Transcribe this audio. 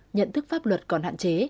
nhận thức pháp luật còn hạn chế